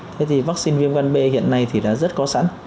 thế thì vắc xin viêm gan b hiện nay thì đã rất có sẵn